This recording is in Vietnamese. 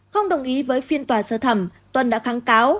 không đồng ý với phiên tòa sơ thẩm tuân đã kháng cáo